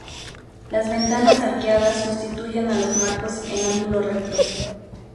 Las ventanas arqueadas sustituyen a los marcos en ángulo recto.